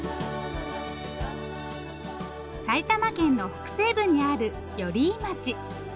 埼玉県の北西部にある寄居町。